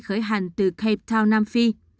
khởi hành từ cape town nam phi